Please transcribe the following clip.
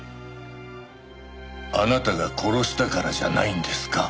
あなたが殺したからじゃないんですか？